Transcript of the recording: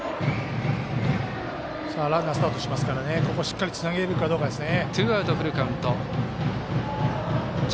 ランナースタートしますからここ、しっかりとつなげられるかですね。